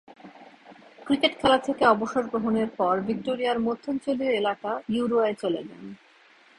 Cricket খেলা থেকে অবসর গ্রহণের পর ভিক্টোরিয়ার মধ্যাঞ্চলীয় এলাকা ইউরোয়ায় চলে যান।